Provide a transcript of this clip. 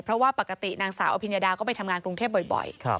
เพราะว่าปกตินางสาวอภิญญาดาก็ไปทำงานกรุงเทพบ่อย